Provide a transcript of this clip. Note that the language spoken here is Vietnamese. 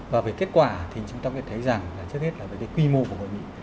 và về kết quả thì chúng ta có thể thấy rằng là trước hết là với cái quy mô của hội nghị